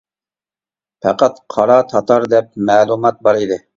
پەقەت قارا تاتار دەپ مەلۇمات بار ئىدى.